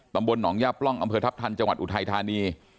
ตำบลหนองย่าปล่องอำเภอทัพทันจังหวัดอุทัยธานี